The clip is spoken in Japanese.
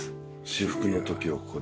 至福の時をここで。